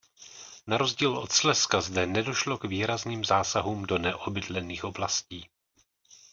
Na rozdíl od Slezska zde nedošlo k výrazným zásahům do neobydlených oblastí.